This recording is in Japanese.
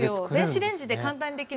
電子レンジで簡単にできる。